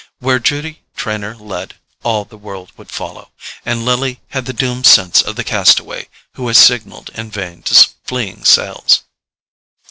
Where Judy Trenor led, all the world would follow; and Lily had the doomed sense of the castaway who has signalled in vain to fleeing sails.